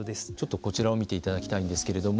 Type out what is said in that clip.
こちらを見ていただきたいんですけれども。